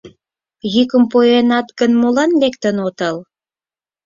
— Йӱкым пуэнат гын, молан лектын отыл?